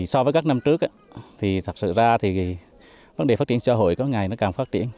so với các năm trước thật sự ra vấn đề phát triển xã hội có ngày càng phát triển